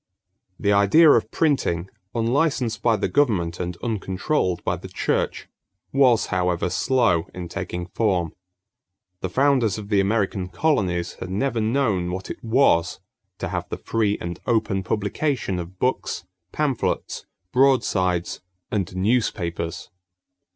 = The idea of printing, unlicensed by the government and uncontrolled by the church, was, however, slow in taking form. The founders of the American colonies had never known what it was to have the free and open publication of books, pamphlets, broadsides, and newspapers.